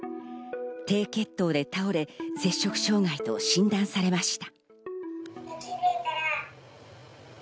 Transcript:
低血糖で倒れ、摂食障害と診断されました。